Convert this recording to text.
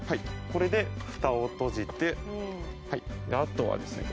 これでフタを閉じてあとはですね